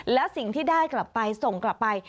แล้วสิ่งที่ได้กลับไปส่งกลับไป